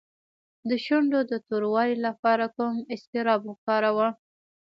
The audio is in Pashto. د شونډو د توروالي لپاره کوم اسکراب وکاروم؟